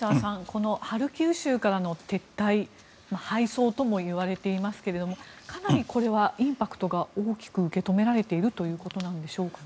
このハルキウ州からの撤退敗走ともいわれていますがかなりこれはインパクトが大きく受け止められているということでしょうか。